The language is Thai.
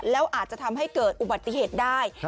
แล้วอาจจะทำให้เกิดอุบัติเหตุได้